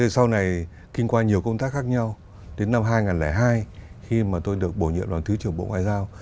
sau này kinh qua nhiều công tác khác nhau đến năm hai nghìn hai khi mà tôi được bổ nhiệm làm thứ trưởng bộ ngoại giao